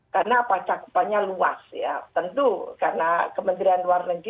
karena pasangannya luas ya tentu karena kementerian luar negeri